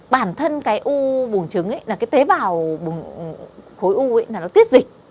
bản thân cái u buồn trứng ấy là cái tế bào khối u ấy là nó tiết dịch